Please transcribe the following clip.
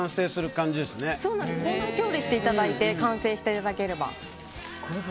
口内調理していただいて完成していただければ。